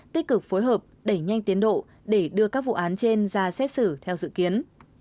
tích cực phối hợp đẩy nhanh tiến độ để đưa các vụ án trên ra xét xử theo dự kiến